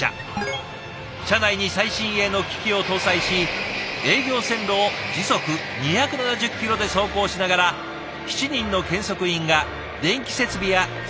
車内に最新鋭の機器を搭載し営業線路を時速２７０キロで走行しながら７人の検測員が電気設備や線路の状態を測定。